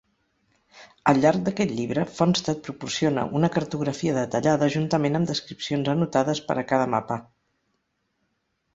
Al llarg d'aquest llibre, Fonstad proporciona una cartografia detallada juntament amb descripcions anotades per a cada mapa.